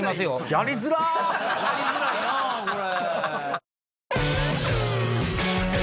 やりづらいなこれ。